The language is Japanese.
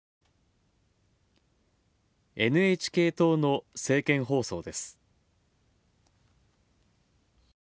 ＮＨＫ党の政見放送です。